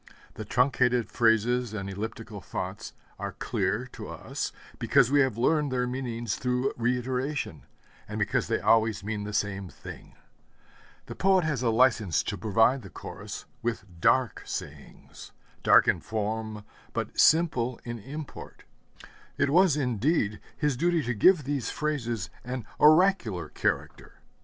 The truncated phrases and elliptical thoughts are clear, to us, because we have learned their meaning through reiteration, and because they always mean the same thing. The poet has a license to provide the Chorus with dark sayings, dark in form, but simple in import. It was, indeed, his duty to give these phrases an oracular character.